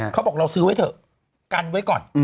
เขาบอกเราซื้อไว้เถอะกันไว้ก่อน